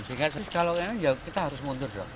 sehingga kalau kita harus mundur dong